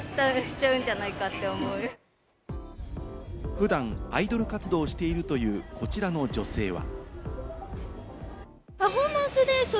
普段アイドル活動をしているというこちらの女性は。